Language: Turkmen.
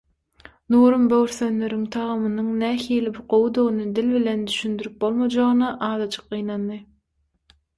Nurum böwürslenleriň tagamynyň nähili gowudygyny dil bilen düşündirip bolmajagyna azajyk gynandy.